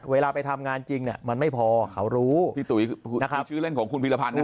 เวลาไปทำงานจริงเนี่ยมันไม่พอเขารู้พี่ตุ๋ยนี่คือชื่อเล่นของคุณพีรพันธ์นะ